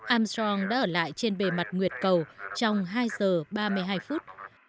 amstrong đã ở lại trên bề mặt nguyệt cầu trong hai giờ ba mươi hai phút